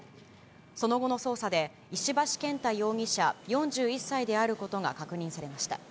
その後の捜査で、石橋健太容疑者４１歳であることが確認されました。